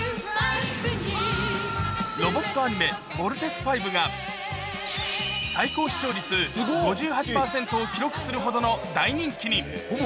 ロボットアニメ、ボルテスＶが最高視聴率５８％を記録するほどの大人気に。